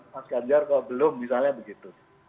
mas ganjar kalau belum misalnya begitu